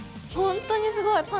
ほんとにすごい。